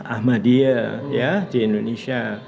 ahmadiyah ya di indonesia